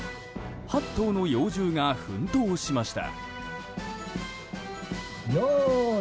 ８頭の幼獣が奮闘しました。